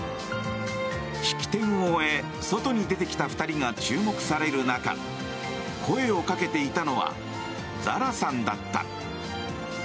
式典を終え、外に出てきた２人が注目される中声をかけていたのはザラさんだった。